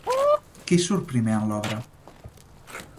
Qui surt primer en l'obra?